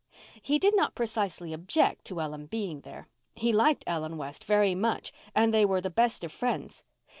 He did not precisely object to Ellen being there. He liked Ellen West very much and they were the best of friends.